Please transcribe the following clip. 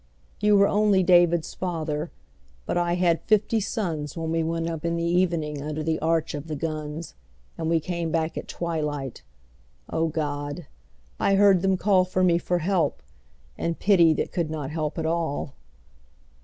You were, only David's father, But I had fifty sons When we went up in the evening Under the arch of the guns, And we came back at twilight — O God ! I heard them call To me for help and pity That could not help at all.